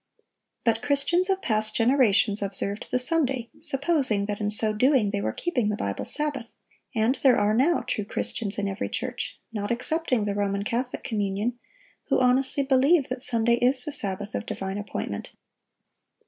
But Christians of past generations observed the Sunday, supposing that in so doing they were keeping the Bible Sabbath; and there are now true Christians in every church, not excepting the Roman Catholic communion, who honestly believe that Sunday is the Sabbath of divine appointment.